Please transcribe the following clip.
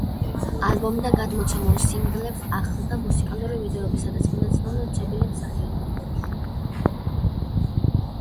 ალბომიდან გამოცემულ სინგლებს ახლდა მუსიკალური ვიდეოები, სადაც მონაწილეობდნენ ცნობილი მსახიობები.